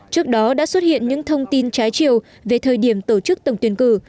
trước đó đã xuất hiện những thông tin trái chiều về thời điểm tổ chức tổng tuyển cử